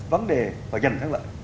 vấn đề và giành thắng lại